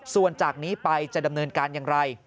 ส่วนจากนี้ไปจะดำเนินการอย่างไร